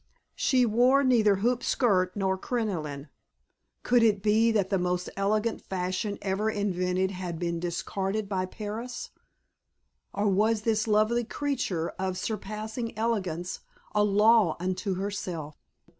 She wore neither hoop skirt nor crinoline. Could it be that the most elegant fashion ever invented had been discarded by Paris? Or was this lovely creature of surpassing elegance, a law unto herself?